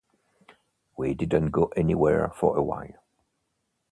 We didn't go anywhere for a while.